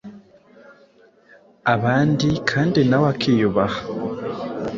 abandi kandi nawe akiyubaha